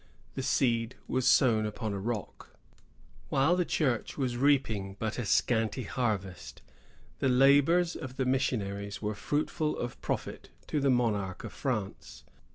The seed was sown upon a rock. While the church was reaping but a scanty harvest, the labors of the missionaries were fruitful of profit to the monarch of France.